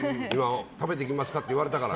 食べていきますかって言われたから。